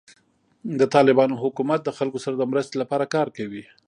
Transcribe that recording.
د طالبانو حکومت د خلکو سره د مرستې لپاره کار کوي.